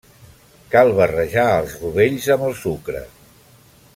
Cal barrejar els rovells amb el sucre.